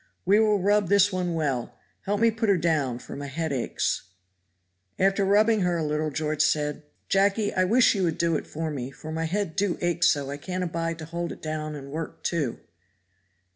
We will rub this one well; help me put her down, for my head aches." After rubbing her a little George said, "Jacky, I wish you would do it for me, for my head do ache so I can't abide to hold it down and work, too."